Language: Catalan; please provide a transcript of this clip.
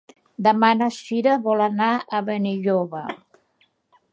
Demà na Cira vol anar a Benilloba.